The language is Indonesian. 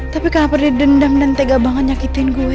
tapi kenapa dia dendam dan tega banget nyakitin gue